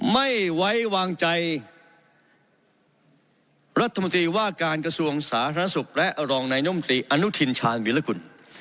ไม่ไว้วางใจรัฐมนตรีว่าการกระทรวงสาธารณสุขและรองนายนมตรีอนุทินชาญวิรกุล